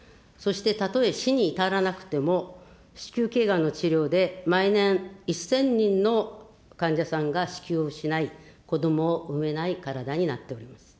そしてたとえ死に至らなくても、子宮けいがんの治療で毎年、１０００人の患者さんが子宮を失い、子どもを産めない体になっております。